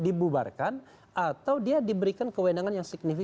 dibubarkan atau dia diberikan kewenangan yang signifikan